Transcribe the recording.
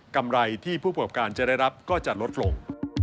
กำไรที่ผู้ประกอบการจะได้รับก็จะลดลง